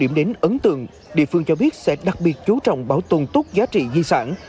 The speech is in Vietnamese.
điểm đến ấn tượng địa phương cho biết sẽ đặc biệt chú trọng bảo tồn tốt giá trị di sản